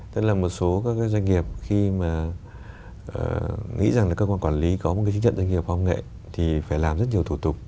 tức là một số các doanh nghiệp khi mà nghĩ rằng là cơ quan quản lý có một cái chứng nhận doanh nghiệp khoa học công nghệ thì phải làm rất nhiều thủ tục